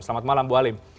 selamat malam bu alim